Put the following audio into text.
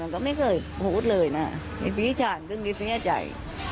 มันก็ไม่เคยพูดเลยนะไอ้ปีชาญตึงนิดนึงใจ